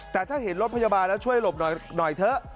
แต่ถ้าเห็นรถพยาบาลแล้วช่วยหลบหน่อยเถอะ